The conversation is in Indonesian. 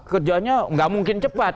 kerjanya gak mungkin cepat